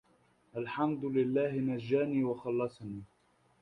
الحمد لله نجاني وخلصني